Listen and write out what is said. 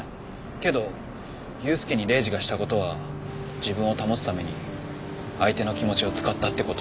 けど裕介にレイジがしたことは自分を保つために相手の気持ちを使ったってこと。